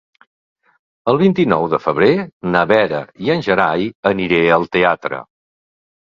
El vint-i-nou de febrer na Vera i en Gerai aniré al teatre.